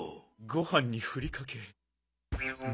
ごはんにふりかけ。